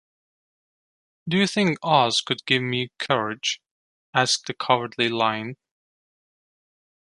Do you think Oz could give me courage? asked the cowardly Lion.